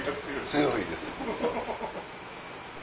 強いです。